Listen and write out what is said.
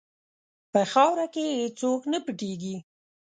په خاوره کې هېڅ څوک نه پټیږي.